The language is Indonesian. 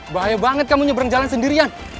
bahaya banget kamu nyeberang jalan sendirian